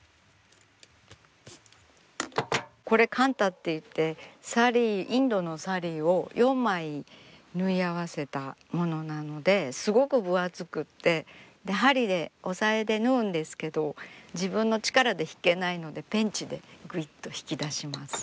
これカンタっていってサリーインドのサリーを４枚縫い合わせたものなのですごく分厚くて針で押さえで縫うんですけど自分の力で引けないのでペンチでぐいっと引き出します。